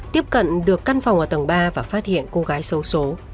tiếp cận được căn phòng ở tầng ba và phát hiện cô gái xấu số